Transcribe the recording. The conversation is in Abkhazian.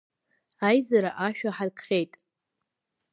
Аизара ашә аҳаркхьеит!